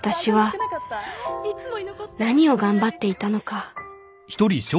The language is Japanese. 私は何を頑張っていたのか